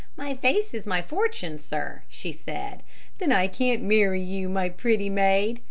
"My face is my fortune, sir," she said. "Then I can't marry you, my pretty maid."